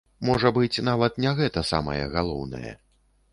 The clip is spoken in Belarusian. Можа быць, нават не гэта самае галоўнае.